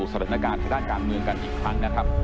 สถานการณ์ทางด้านการเมืองกันอีกครั้งนะครับ